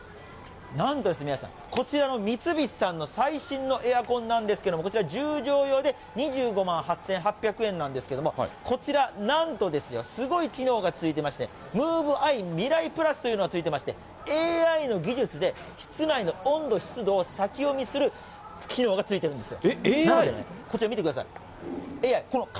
なんと宮根さん、こちらの三菱さんの最新のエアコンなんですけれども、こちら１０畳用で２５万８８００円なんですけれども、こちら、なんとですよ、すごい機能がついていまして、ムーブアイみらいプラスというのがついてまして、ＡＩの技術で、室内の温度、湿度を先読みする機能がついているんです。